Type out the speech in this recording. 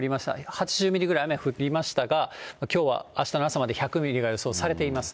８０ミリぐらい雨降りましたが、きょうはあしたの朝まで１００ミリが予想されています。